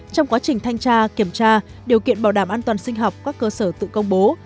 trong quá trình thanh tra kiểm tra điều kiện bảo đảm an toàn sinh học các cơ sở tự công bố